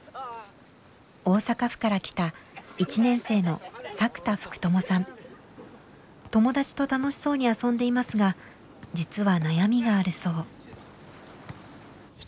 大阪府から来た友達と楽しそうに遊んでいますが実は悩みがあるそう。